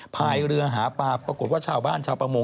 พายเรือหาปลาปรากฏว่าชาวบ้านชาวประมง